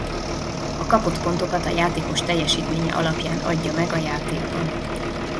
A kapott pontokat a játékos teljesítménye alapján adja meg a játékban.